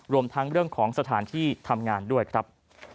รวมทั้งเรื่องของสถานที่ทำงานด้วยครับ